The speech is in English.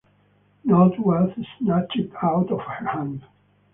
Note was snatched out of her hand.